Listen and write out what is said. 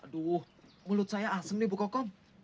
aduh mulut saya asem nih bu kokom